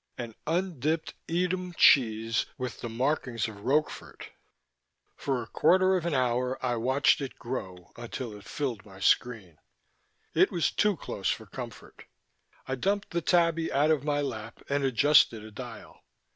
An undipped Edam cheese with the markings of Roquefort. For a quarter of an hour I watched it grow until it filled my screen. It was too close for comfort. I dumped the tabby out of my lap and adjusted a dial.